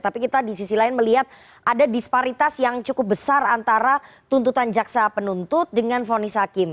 tapi kita di sisi lain melihat ada disparitas yang cukup besar antara tuntutan jaksa penuntut dengan fonis hakim